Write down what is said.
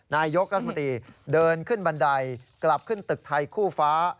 นายกรัฐมนตรีเดินขึ้นบันไดกลับขึ้นตึกไทยคู่ฟ้า